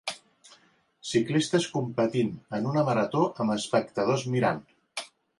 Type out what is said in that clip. Ciclistes competint en una marató amb espectadors mirant.